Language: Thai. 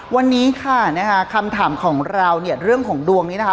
วันนี้ค่ะคำถามของเราเรื่องของดวงนี้นะคะ